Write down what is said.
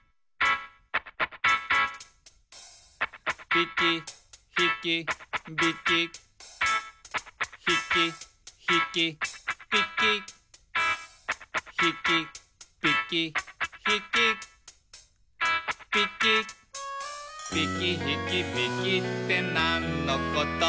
「ぴきひきびき」「ひきひきぴき」「ひきぴきひき」「ぴき」「ぴきひきびきってなんのこと？」